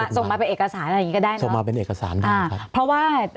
ส่งมาเป็นเอกสารอะไรอย่างนี้ก็ได้